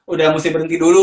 udah mesti berhenti dulu